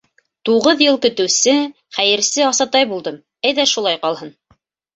Туғыҙ йыл көтөүсе — хәйерсе Асатай булдым, әйҙә шулай ҡалһын!